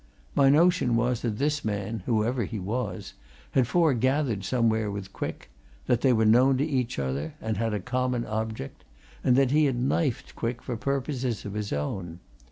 My notion was that this man, whoever he was, had foregathered somewhere with Quick, that they were known to each other, and had a common object, and that he had knifed Quick for purposes of his own.